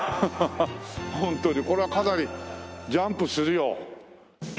ホントにこれはかなりジャンプするよ。